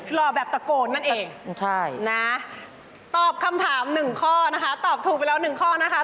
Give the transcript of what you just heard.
รอแบบตะโกนนั่นเองใช่นะตอบคำถามหนึ่งข้อนะคะตอบถูกไปแล้วหนึ่งข้อนะคะ